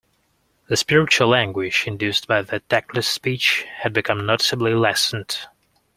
The spiritual anguish induced by that tactless speech had become noticeably lessened.